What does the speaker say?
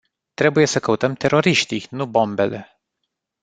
Trebuie să căutăm teroriștii, nu bombele.